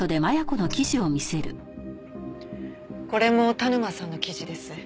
これも田沼さんの記事です。